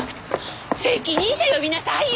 責任者呼びなさいよ！